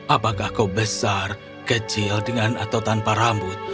apakah kau besar kecil dengan atau tanpa rambut